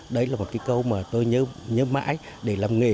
đấy là một cái câu mà tôi nhớ mãi để làm nghề